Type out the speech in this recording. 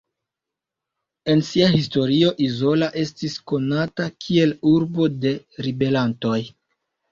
En sia historio Izola estis konata kiel urbo de ribelantoj.